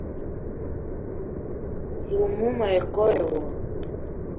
Zouk mou ma yi koo e wo